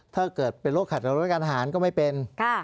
ถ้าเกิดเป็นโรคขัดการรับประการทหารก็ไม่เป็น